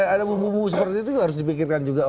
ada bubu bubu seperti itu juga harus dipikirkan juga